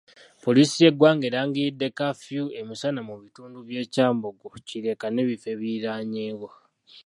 Poliisi y'eggwanga erangiriddde kafyu emisana mu bitundu by'e Kyambogo, Kireka n'ebifo ebiriraanyeewo